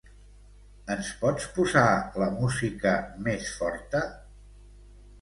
Ens pots posar la música més forta?